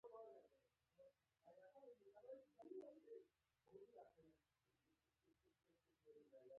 د میرمنو کار د ماشوم ودونو مخه نیسي.